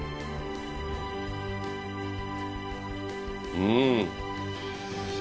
うん。